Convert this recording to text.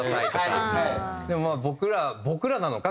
でもまあ僕らなのか？